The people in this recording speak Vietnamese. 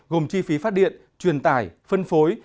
gồm chi phí phát điện truyền tải phân phối